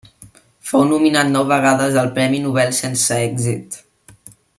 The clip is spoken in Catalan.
Fou nominat nou vegades al premi Nobel sense èxit.